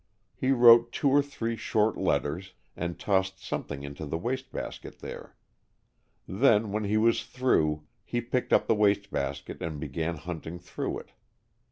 He wrote two or three short letters, and tossed something into the waste basket there. Then, when he was through, he picked up the waste basket and began hunting through it.